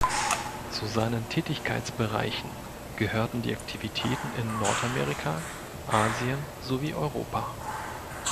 Zu seinen Tätigkeitsbereichen gehörten die Aktivitäten in Nordamerika, Asien sowie Europa.